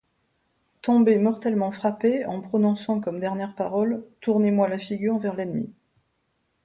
Tombé mortellement frappée en prononçant comme dernières paroles: 'Tournez-moi la figure vers l'ennemi!